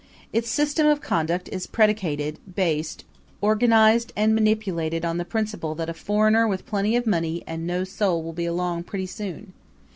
Its system of conduct is predicated, based, organized and manipulated on the principle that a foreigner with plenty of money and no soul will be along pretty soon.